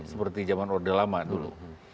seperti zaman orde lama dulu